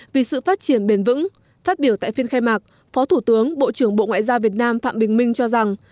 vì sự phát triển bền vững phát biểu tại phiên khai mạc phó thủ tướng bộ trưởng bộ ngoại giao việt nam phạm bình minh cho rằng